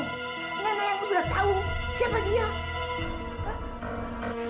nenek yang sudah tahu siapa dia